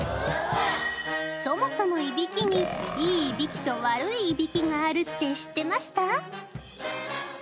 そもそもいびきにいいいびきと悪いいびきがあるって、知ってました？